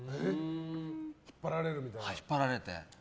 引っ張られて。